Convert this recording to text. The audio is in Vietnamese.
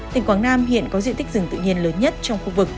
tỉnh quảng nam hiện có diện tích rừng tự nhiên lớn nhất trong khu vực